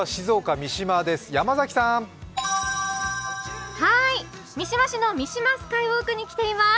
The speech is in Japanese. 三島市の三島スカイウォークに来ています。